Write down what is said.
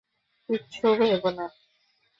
কিচ্ছু ভেবো না!